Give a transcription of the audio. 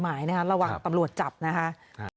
ไม่ได้ใช้รองเท้าตบเขา